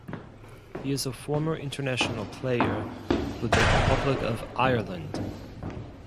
He is a former international player with the Republic of Ireland.